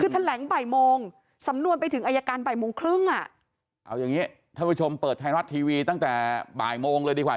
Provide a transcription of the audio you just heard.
คือแถลงบ่ายโมงสำนวนไปถึงอายการบ่ายโมงครึ่งอ่ะเอาอย่างงี้ท่านผู้ชมเปิดไทยรัฐทีวีตั้งแต่บ่ายโมงเลยดีกว่า